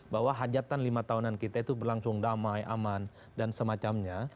bahwa hajatan lima tahunan kita itu berlangsung damai aman dan semacamnya